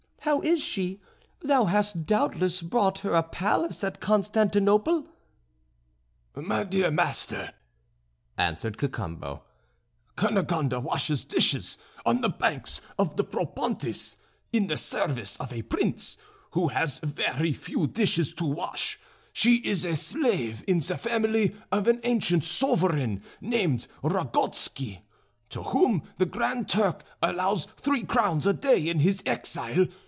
How is she? Thou hast doubtless bought her a palace at Constantinople?" "My dear master," answered Cacambo, "Cunegonde washes dishes on the banks of the Propontis, in the service of a prince, who has very few dishes to wash; she is a slave in the family of an ancient sovereign named Ragotsky, to whom the Grand Turk allows three crowns a day in his exile.